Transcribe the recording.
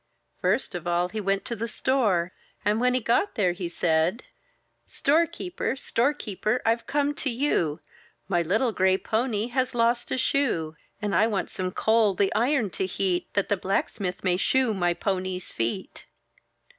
First of all he went to the store; and when he got there, he said: — ''Storekeeper! Storekeeper! I've come to you; My little gray pony has lost a shoe! And I want some coal the iron to heat, That the blacksmith may shoe my pony's feet."